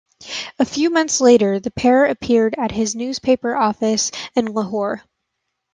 A few months later the pair appear at his newspaper office in Lahore.